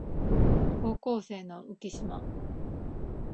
高校生の浮島